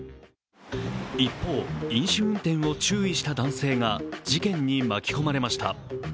一方、飲酒運転を注意した男性が事件に巻き込まれました。